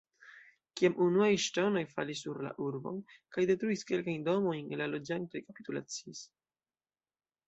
Kiam unuaj ŝtonoj falis sur la urbon kaj detruis kelkajn domojn, la loĝantoj kapitulacis.